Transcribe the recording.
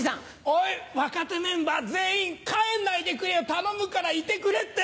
おい若手メンバー全員帰んないでくれよ頼むからいてくれって！